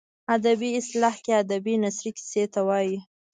ادبي اصطلاح کې ادبي نثري کیسې ته وايي.